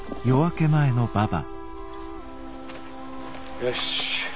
よし。